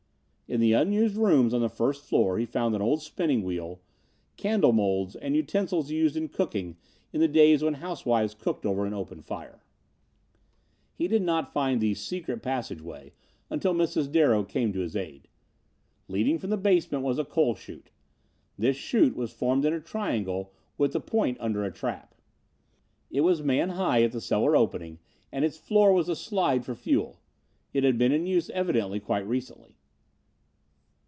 In the unused rooms on the first floor he found an old spinning wheel, candle moulds and utensils used in cooking in the days when housewives cooked over an open fire. He did not find the "secret" passageway until Mrs. Darrow came to his aid. Leading from the basement was a coal chute. This shoot was formed in a triangle with the point under a trap. It was man high at the cellar opening and its floor was a slide for fuel. It had been in use, evidently, quite recently.